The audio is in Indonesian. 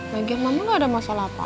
bagian mama lo ada masalah apa